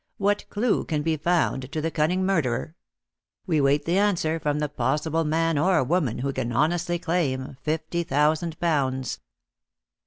What clue can be found to the cunning murderer? We wait the answer from the possible man or woman who can honestly claim fifty thousand pounds."